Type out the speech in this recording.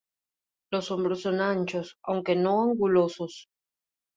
Los hombros son anchos, aunque no angulosos.